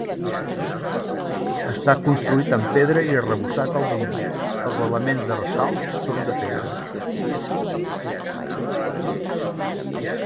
Està construït amb pedra i arrebossat al damunt, els elements de ressalt són de pedra.